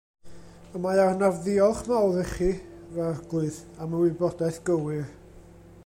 Y mae arnaf ddiolch mawr i chi, f'arglwydd, am y wybodaeth gywir.